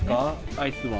アイスは。